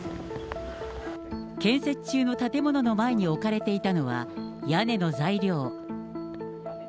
建設中の建物の前に置かれていたのは、屋根の材料。